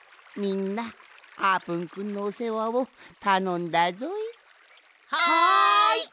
みんなあーぷんくんのおせわをたのんだぞい。